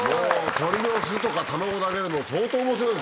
鳥の巣とか卵だけでも相当面白いですね。